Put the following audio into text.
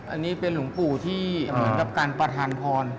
อันนี้เป็นหลวงปู่ที่เหมือนกับการประธานพร